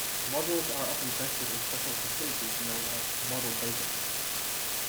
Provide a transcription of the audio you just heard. Models are often tested in special facilities known as model basins.